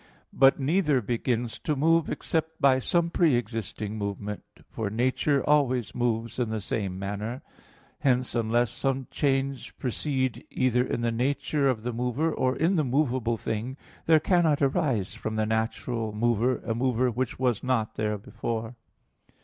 But neither begins to move except by some pre existing movement. For nature always moves in the same manner: hence unless some change precede either in the nature of the mover, or in the movable thing, there cannot arise from the natural mover a movement which was not there before.